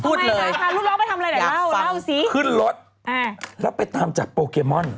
พูดเลยอยากฟังขึ้นรถแล้วไปตามจับโปเคมอน